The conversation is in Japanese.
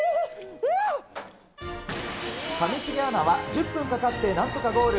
上重アナは１０分かかってなんとかゴール。